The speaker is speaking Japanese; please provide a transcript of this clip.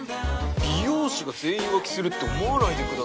美容師が全員浮気すると思わないでください